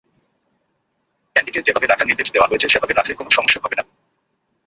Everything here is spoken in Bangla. পেনটিকে যেভাবে রাখার নির্দেশ দেওয়া হয়েছে সেভাবে রাখলে কোনো সমস্যা হবে না।